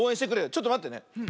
ちょっとまってね。